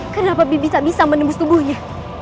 kenapa bibi tak bisa menembus tubuhnya